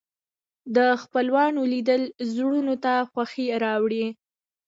د خپلوانو لیدل زړونو ته خوښي راولي